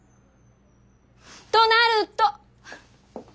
となると！